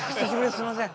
すいません。